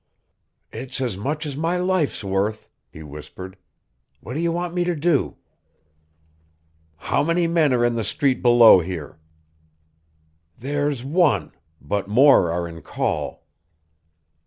"It's as much as my life's worth," he whispered. "What do you want me to do?" "How many men are in the street below here?" "There's one; but more are in call."